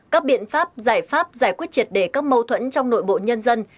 các biện pháp giải pháp giải quyết triệt đề các mâu thuẫn trong nội bộ nhân dân